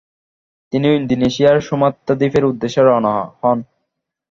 তিনি ইন্দোনেশিয়ার সুমাত্রা দীপের উদ্দেশ্যে রওনা হন।